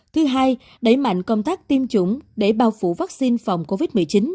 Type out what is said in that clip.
thứ hai đẩy mạnh công tác tiêm chủng để bao phủ vaccine phòng covid một mươi chín